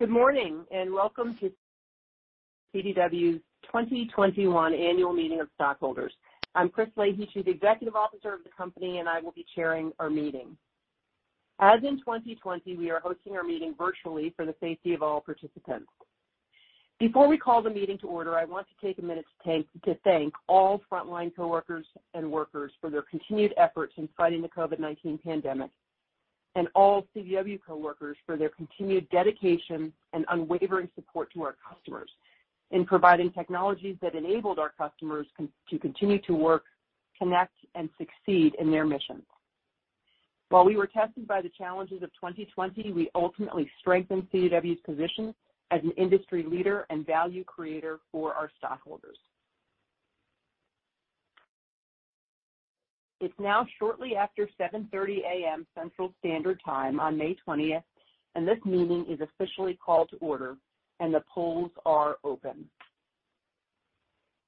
Good morning and welcome to CDW's 2021 Annual Meeting of Stockholders. I'm Chris Leahy, Chief Executive Officer of the company, and I will be chairing our meeting. As in 2020, we are hosting our meeting virtually for the safety of all participants. Before we call the meeting to order, I want to take a minute to thank all frontline coworkers and workers for their continued efforts in fighting the COVID-19 pandemic, and all CDW coworkers for their continued dedication and unwavering support to our customers in providing technologies that enabled our customers to continue to work, connect, and succeed in their mission. While we were tested by the challenges of 2020, we ultimately strengthened CDW's position as an industry leader and value creator for our stockholders. It's now shortly after 7:30 A.M. Central Daylight Time on May 20th, and this meeting is officially called to order, and the polls are open.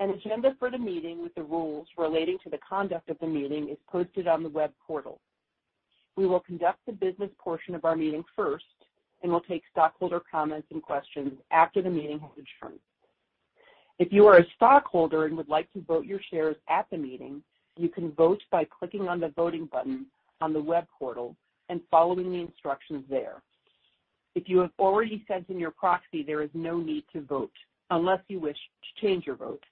An agenda for the meeting with the rules relating to the conduct of the meeting is posted on the web portal. We will conduct the business portion of our meeting first, and we'll take stockholder comments and questions after the meeting has adjourned. If you are a stockholder and would like to vote your shares at the meeting, you can vote by clicking on the voting button on the web portal and following the instructions there. If you have already sent in your proxy, there is no need to vote unless you wish to change your vote.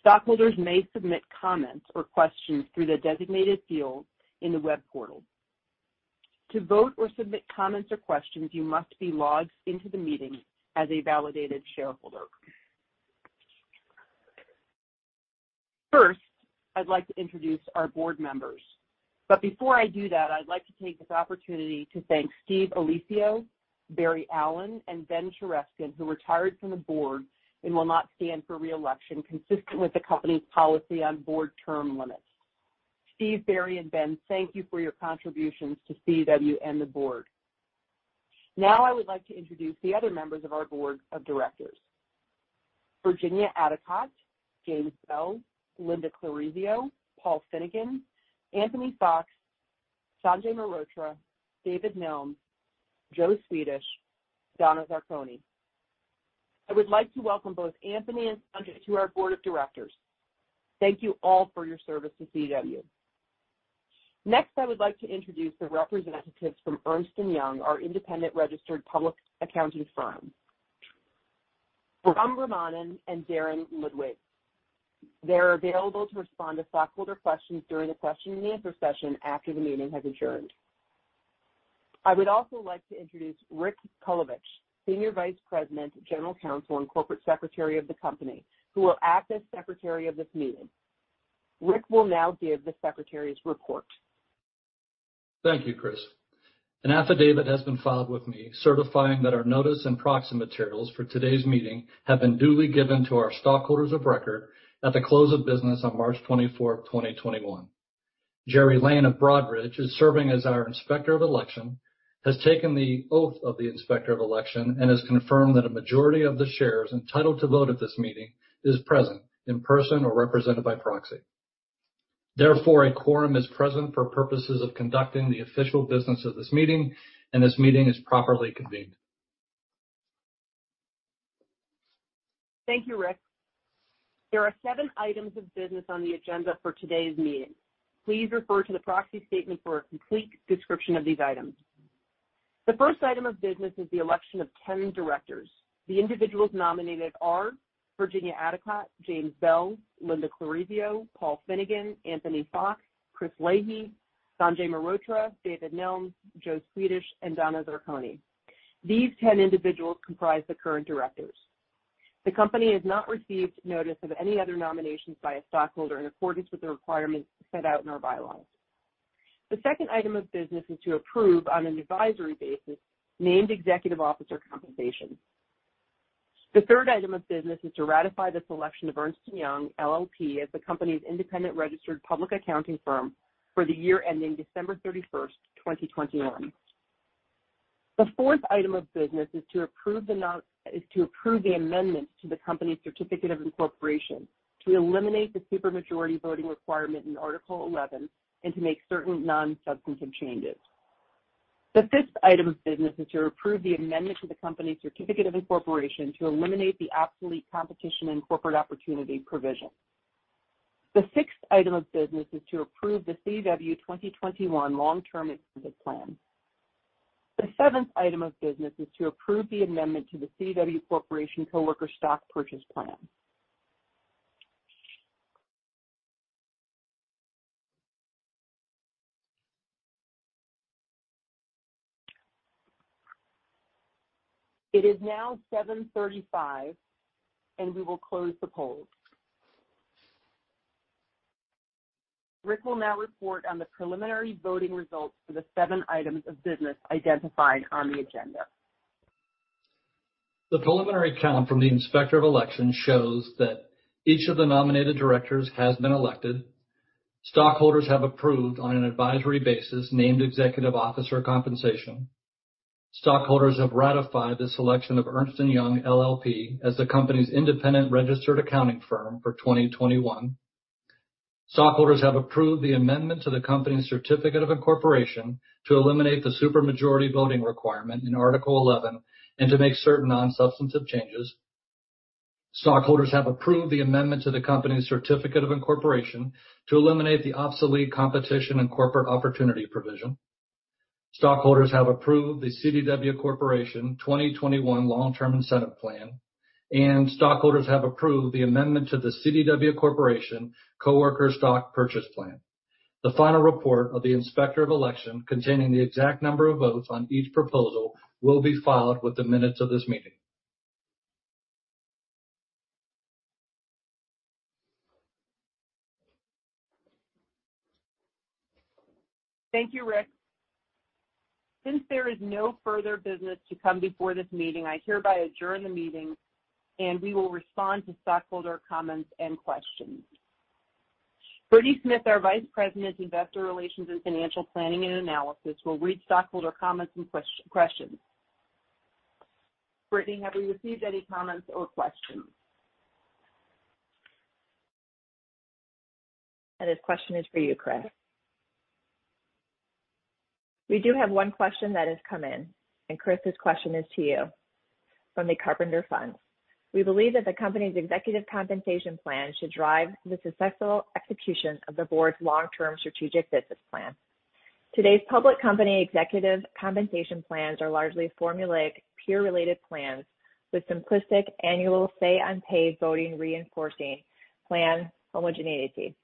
Stockholders may submit comments or questions through the designated field in the web portal. To vote or submit comments or questions, you must be logged into the meeting as a validated shareholder. First, I'd like to introduce our board members. But before I do that, I'd like to take this opportunity to thank Steve Alesio, Barry Allen, and Ben Chereskin, who retired from the board and will not stand for reelection consistent with the company's policy on board term limits. Steve, Barry, and Ben, thank you for your contributions to CDW and the board. Now, I would like to introduce the other members of our Board of Directors: Virginia Addicott, James Bell, Linda Clarizio, Paul Finnegan, Anthony Foxx, Sanjay Mehrotra, David Nelms, Joe Swedish, and Donna Zarconi. I would like to welcome both Anthony and Sanjay to our Board of Directors. Thank you all for your service to CDW. Next, I would like to introduce the representatives from Ernst & Young, our independent registered public accounting firm, Pramod Raman and Darrin Ludwig. They're available to respond to stockholder questions during the question-and-answer session after the meeting has adjourned. I would also like to introduce Rick Kulevich, Senior Vice President, General Counsel, and Corporate Secretary of the company, who will act as Secretary of this meeting. Rick will now give the Secretary's report. Thank you, Chris. An affidavit has been filed with me certifying that our notice and proxy materials for today's meeting have been duly given to our stockholders of record at the close of business on March 24, 2021. Jerry Lane of Broadridge is serving as our Inspector of Election, has taken the oath of the Inspector of Election, and has confirmed that a majority of the shares entitled to vote at this meeting is present in person or represented by proxy. Therefore, a quorum is present for purposes of conducting the official business of this meeting, and this meeting is properly convened. Thank you, Rick. There are seven items of business on the agenda for today's meeting. Please refer to the proxy statement for a complete description of these items. The first item of business is the election of 10 directors. The individuals nominated are Virginia C. Addicott, James A. Bell, Linda Clarizio, Paul J. Finnegan, Anthony R. Foxx, Chris Leahy, Sanjay Mehrotra, David W. Nelms, Joe Swedish, and Donna F. Zarconi. These 10 individuals comprise the current directors. The company has not received notice of any other nominations by a stockholder in accordance with the requirements set out in our bylaws. The second item of business is to approve on an advisory basis Named Executive Officer compensation. The third item of business is to ratify the selection of Ernst & Young LLP as the company's independent registered public accounting firm for the year ending December 31, 2021. The fourth item of business is to approve the amendments to the company's Certificate of Incorporation to eliminate the supermajority voting requirement in Article 11 and to make certain non-substantive changes. The fifth item of business is to approve the amendment to the company's Certificate of Incorporation to eliminate the obsolete Competition and Corporate Opportunity provision. The sixth item of business is to approve the CDW 2021 Long-Term Incentive Plan. The seventh item of business is to approve the amendment to the CDW Corporation Coworker Stock Purchase Plan. It is now 7:35 A.M., and we will close the polls. Rick will now report on the preliminary voting results for the seven items of business identified on the agenda. The preliminary count from the Inspector of Election shows that each of the nominated directors has been elected. Stockholders have approved on an advisory basis named executive officer compensation. Stockholders have ratified the selection of Ernst & Young LLP as the company's independent registered accounting firm for 2021. Stockholders have approved the amendment to the company's Certificate of Incorporation to eliminate the supermajority voting requirement in Article 11 and to make certain non-substantive changes. Stockholders have approved the amendment to the company's Certificate of Incorporation to eliminate the obsolete Competition and Corporate Opportunity provision. Stockholders have approved the CDW Corporation 2021 Long-Term Incentive Plan, and stockholders have approved the amendment to the CDW Corporation Coworker Stock Purchase Plan. The final report of the Inspector of Election containing the exact number of votes on each proposal will be filed with the minutes of this meeting. Thank you, Rick. Since there is no further business to come before this meeting, I hereby adjourn the meeting, and we will respond to stockholder comments and questions. Brittany Smith, our Vice President, Investor Relations and Financial Planning and Analysis, will read stockholder comments and questions. Brittany, have we received any comments or questions? That question is for you, Chris. We do have one question that has come in, and Chris, the question is to you from the Carpenters Fund. We believe that the company's executive compensation plan should drive the successful execution of the board's long-term strategic business plan. Today's public company executive compensation plans are largely formulaic peer-related plans with simplistic annual say-on-pay voting reinforcing plan homogeneity.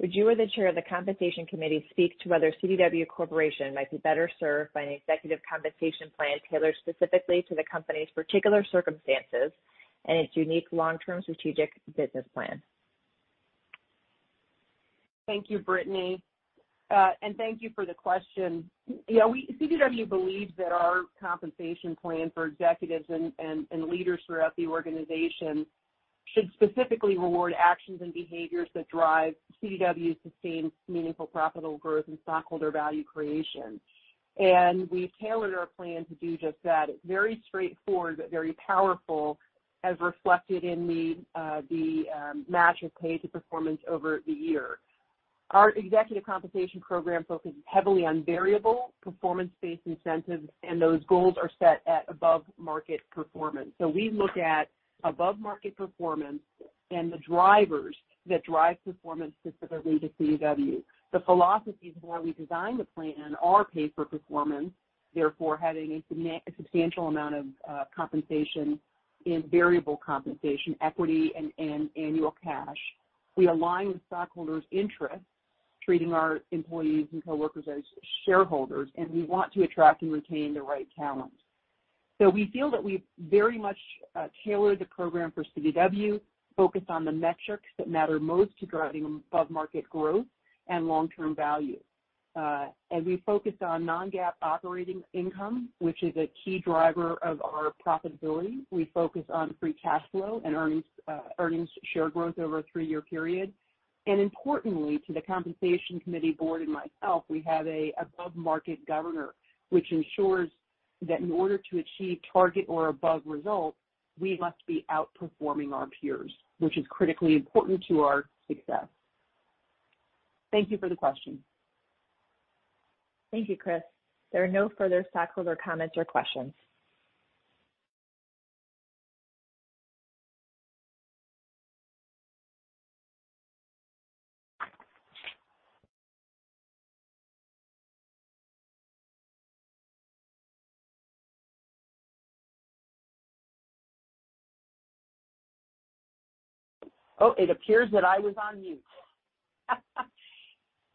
Would you, as the Chair of the Compensation Committee, speak to whether CDW Corporation might be better served by an executive compensation plan tailored specifically to the company's particular circumstances and its unique long-term strategic business plan? Thank you, Brittany, and thank you for the question. Yeah, CDW believes that our compensation plan for executives and leaders throughout the organization should specifically reward actions and behaviors that drive CDW's sustained meaningful profitable growth and stockholder value creation. And we've tailored our plan to do just that. It's very straightforward, but very powerful, as reflected in the match of pay to performance over the year. Our executive compensation program focuses heavily on variable performance-based incentives, and those goals are set at above-market performance. So we look at above-market performance and the drivers that drive performance specifically to CDW. The philosophies of how we design the plan are pay for performance, therefore having a substantial amount of compensation in variable compensation, equity, and annual cash. We align with stockholders' interests, treating our employees and coworkers as shareholders, and we want to attract and retain the right talent. So we feel that we've very much tailored the program for CDW, focused on the metrics that matter most to driving above-market growth and long-term value. As we focus on non-GAAP operating income, which is a key driver of our profitability, we focus on free cash flow and earnings per share growth over a three-year period. And importantly, to the Compensation Committee board and myself, we have an above-market governor, which ensures that in order to achieve target or above results, we must be outperforming our peers, which is critically important to our success. Thank you for the question. Thank you, Chris. There are no further stockholder comments or questions. Oh, it appears that I was on mute.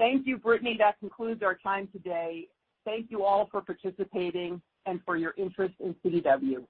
Thank you, Brittany. That concludes our time today. Thank you all for participating and for your interest in CDW.